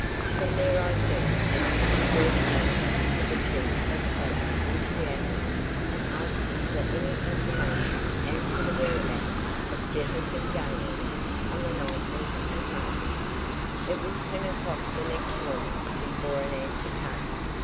From there I sent a fifty word telegram to the chief of police in Seattle asking for any information as to the whereabouts of Jefferson Gaylord on the nineteenth of May. It was ten o'clock the next morning before an answer came.